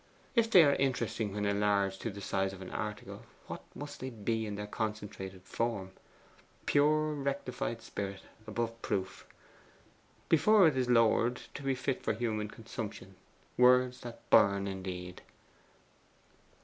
'If they are interesting when enlarged to the size of an article, what must they be in their concentrated form? Pure rectified spirit, above proof; before it is lowered to be fit for human consumption: "words that burn" indeed.